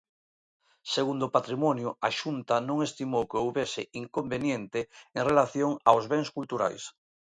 Segundo Patrimonio a Xunta non estimou que houbese inconveniente en relación aos bens culturais.